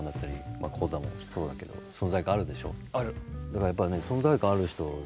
だからやっぱりね存在感ある人絶対。